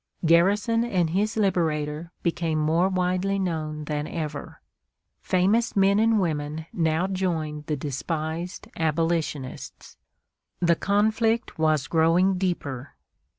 Garrison and his "Liberator" became more widely known than ever. Famous men and women now joined the despised Abolitionists. The conflict was growing deeper.